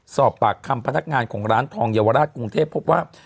สอบปากคำพนักงานของร้านทองเยาวราชกรุงเทพพบว่า